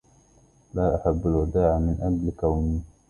لا أحب الوداع من أجل كونى